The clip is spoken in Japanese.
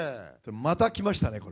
またきましたね、これ。